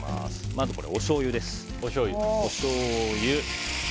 まず、おしょうゆです。